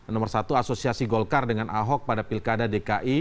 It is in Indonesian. nomor satu asosiasi golkar dengan ahok pada pilkada dki